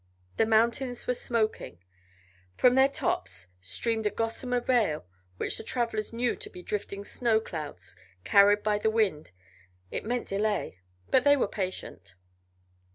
The mountains were "smoking"; from their tops streamed a gossamer veil which the travelers knew to be drifting snow clouds carried by the wind. It meant delay, but they were patient.